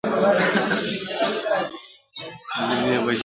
ته به مي د لیک په تمه سره اهاړ ته منډه کې !.